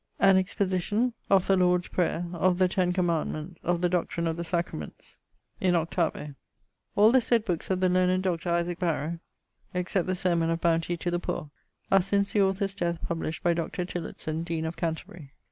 An exposition of the Lord's Prayer, of the Ten Commandments, of the doctrine of the Sacraments; in 8vo. All the sayd books of the learned Dr. Isaac Barrow (except the sermon of bounty to the poor) are since the author's death published by Dr. Tillotson, deane of Canterbury.